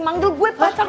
manggil gue pacar